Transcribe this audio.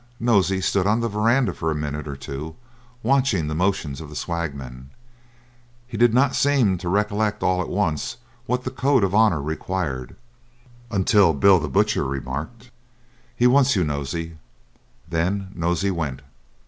Nosey stood on the verandah for a minute or two, watching the motions of the swagman; he did not seem to recollect all at once what the code of honour required, until Bill the Butcher remarked, "He wants you, Nosey," then Nosey went.